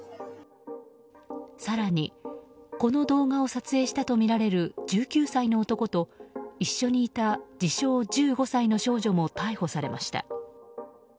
更に、この動画を撮影したとみられる１９歳の男と一緒にいた自称１５歳の少女も逮捕されました。